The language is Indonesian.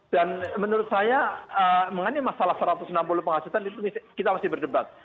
dan menurut saya mengenai masalah satu ratus enam puluh penghasutan itu kita masih berdebat